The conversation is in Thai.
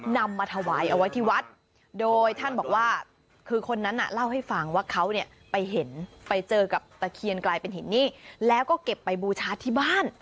นำมาถวายเอาไว้ที่วัดโดยท่านบอกว่าคือคนนั้นน่ะเล่าให้ฟังว่าเขาเนี่ยไปเห็นไปเจอกับตะเคียนกลายเป็นหินนี่แล้วก็เก็บไปบูชาที่บ้าน